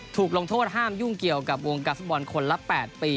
ถูกลงโทษห้ามยุ่งเกี่ยวกับวงการฟุตบอลคนละ๘ปี